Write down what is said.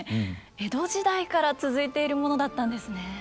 江戸時代から続いているものだったんですね。